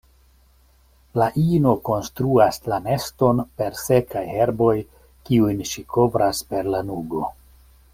La ino konstruas la neston per sekaj herboj kiujn ŝi kovras per lanugo.